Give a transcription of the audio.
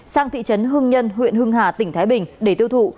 sang thị trấn hưng nhân huyện hưng hà tỉnh thái bình để tiêu thụ